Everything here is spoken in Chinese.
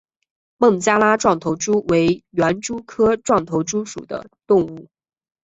孟加拉壮头蛛为园蛛科壮头蛛属的动物。